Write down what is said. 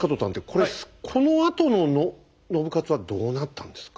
これこのあとの信雄はどうなったんですか？